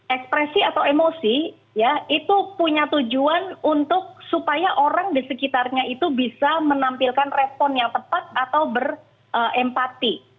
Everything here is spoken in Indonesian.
ekspresi atau emosi ya itu punya tujuan untuk supaya orang di sekitarnya itu bisa menampilkan respon yang tepat atau berempati